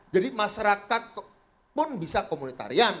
jadi masyarakat pun bisa komunitarian